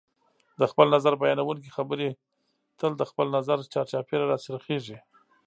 د خپل نظر بیانونکي خبرې تل د خپل نظر چار چاپېره راڅرخیږي